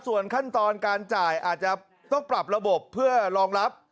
ส่วนขั้นตอนการจ่ายอาจจะต้องปรับระบบเพื่อรองรับ